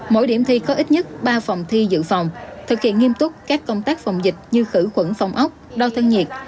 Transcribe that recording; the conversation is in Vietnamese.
mỗi điểm thi có ít nhất ba phòng thi dự phòng thực hiện nghiêm túc các công tác phòng dịch như khử khuẩn phòng ốc đo thân nhiệt